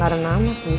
gak ada nama sih